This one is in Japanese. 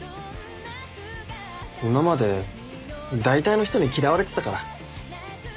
今までだいたいの人に嫌われてたから。